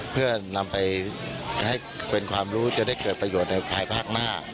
เพื่อนำไปให้เป็นความรู้จะได้เกิดประโยชน์ในภายภาคหน้า